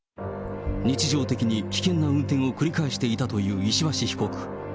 日常的に危険な運転を繰り返していたという石橋被告。